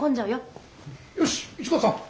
よし市川さん。